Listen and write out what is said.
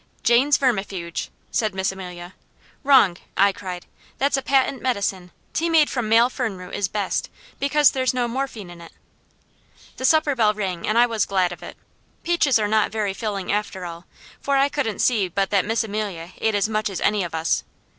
"Jayne's vermifuge," said Miss Amelia. "Wrong!" I cried. "That's a patent medicine. Tea made from male fern root is best, because there's no morphine in it!" The supper bell rang and I was glad of it. Peaches are not very filling after all, for I couldn't see but that Miss Amelia ate as much as any of us.